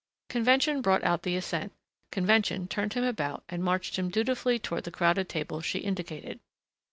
Convention brought out the assent; convention turned him about and marched him dutifully toward the crowded table she indicated.